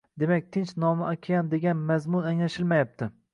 Demak, Tinch nomli okean degan mazmun anglashilmayapti